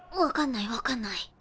わかんないわかんない。